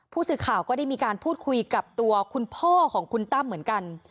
ผู้สื่อข่าวก็ได้มีการพูดคุยกับตัวคุณพ่อของคุณตั้มเหมือนกัน